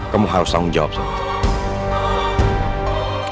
kamu harus tanggung jawab sama aku